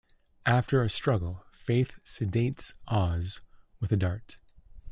After a struggle, Faith sedates Oz with a dart.